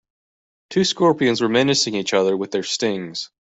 Two scorpions were menacing each other with their stings.